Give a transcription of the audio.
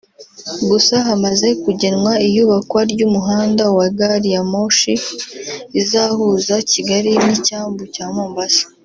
gusa hamaze kugenwa iyubakwa ry’umuhanda wa gari ya moshi izahuza Kigali n’icyambu cya Mombasa